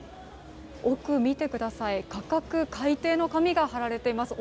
奥、見てください、価格改定の紙が貼られています。